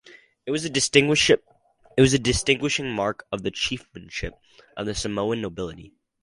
It was a distinguishing mark of the chieftainship of the Samoan nobility.